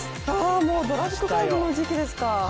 もうドラフト会議の時期ですか。